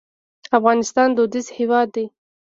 افغانستان دودیز هېواد دی.